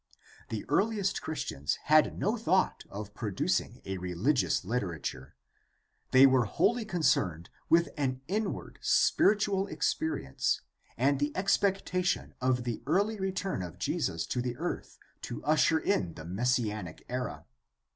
The earliest Christians had no thought of producing a religious literature; they were wholly concerned with an inward spiritual experience and the expectation of the early return of Jesus to the earth to usher in the messianic era.